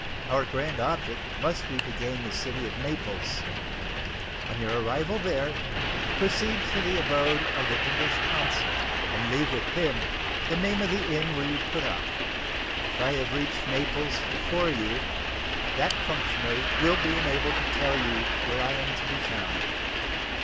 Our grand object must be to gain the city of Naples. On your arrival there, proceed to the abode of the English Consul, and leave with him the name of the inn where you put up: if I have reached Naples before you, that functionary will be enabled to tell you where I am to be found."